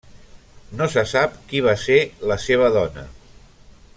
No se sap qui va ser la seva dona.